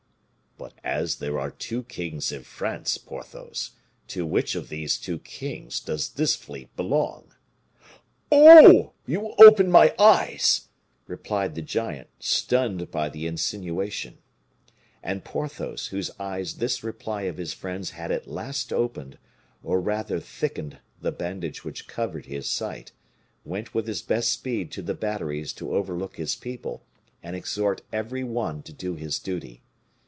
"But as there are two kings in France, Porthos, to which of these two kings does this fleet belong?" "Oh! you open my eyes," replied the giant, stunned by the insinuation. And Porthos, whose eyes this reply of his friend's had at last opened, or rather thickened the bandage which covered his sight, went with his best speed to the batteries to overlook his people, and exhort every one to do his duty.